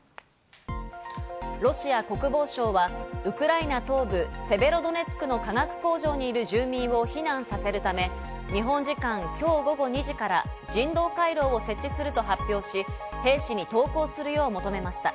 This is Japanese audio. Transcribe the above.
ロシア国防省はウクライナ東部セベロドネツクの化学工場にいる住民を避難させるため、日本時間今日午後２時から人道回廊を設置すると発表し、兵士に投降するよう求めました。